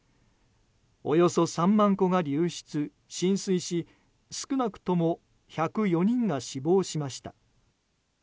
およそ３万戸が流出・浸水し少なくとも１０４人が死亡しました。